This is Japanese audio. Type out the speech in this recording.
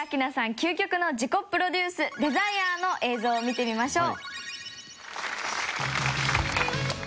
究極の自己プロデュース『ＤＥＳＩＲＥ』の映像を見てみましょう。